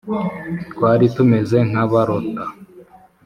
Twari tumeze nk abarota